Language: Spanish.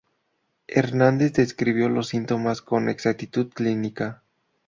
Hernandez describió los síntomas con exactitud clínica.